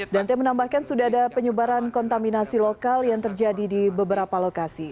dante menambahkan sudah ada penyebaran kontaminasi lokal yang terjadi di beberapa lokasi